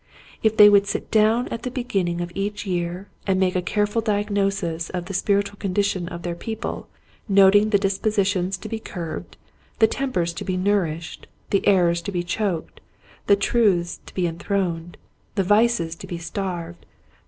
If they would sit down at the beginning of each year and make a careful diagnosis of the spiritual condition of their people, noting the dispositions to be curbed, the tempers to be nourished, the errors to be choked, the truths to be enthroned, the vices to be starved, the Building the Tozver.